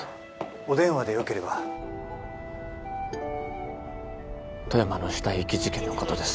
お電話でよければ富山の死体遺棄事件のことです